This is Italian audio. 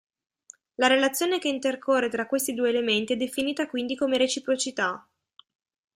La relazione che intercorre tra questi due elementi è definita quindi come reciprocità.